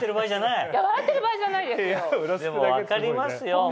でも分かりますよ。